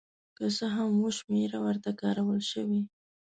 که څه هم اوه شمېره ورته کارول شوې.